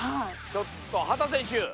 ちょっと秦選手